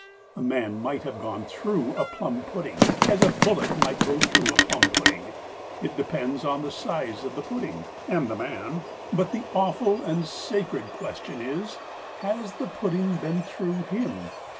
A man might have gone "through" a plum pudding as a bullet might go through a plum pudding; it depends on the size of the pudding—and the man. But the awful and sacred question is "Has the pudding been through him?"